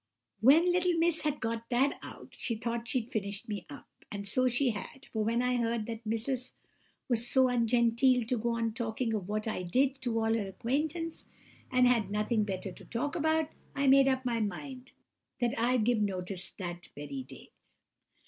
"When little Miss had got that out, she thought she'd finished me up; and so she had, for when I heard that Missus was so ungenteel as to go talking of what I did, to all her acquaintance, and had nothing better to talk about, I made up my mind that I'd give notice that very day.